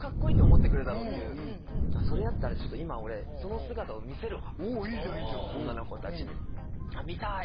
それやったらちょっと今俺その姿を見せるわ女の子達に「見たい！」